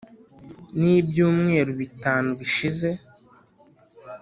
n’ibyumweru bitanu bishize.